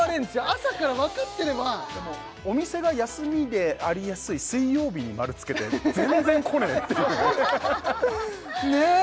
朝からわかってればでもお店が休みでありやすい水曜日に○つけて全然こねえっていうねえ